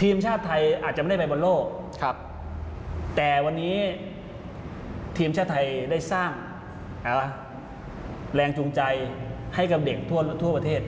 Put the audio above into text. ทีมชาติไทยอาจจะไม่ได้ไปบอลโลกแต่วันนี้ทีมชาติไทยได้สร้างแรงจูงใจให้กับเด็กทั่วประเทศ